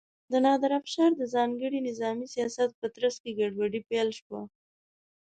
د نادر افشار د ځانګړي نظامي سیاست په ترڅ کې ګډوډي پیل شوه.